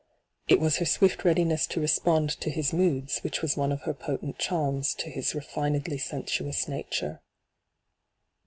It was her swift readiness to respond to his moods which was one of her potent charms to his refinedly sensuous nature.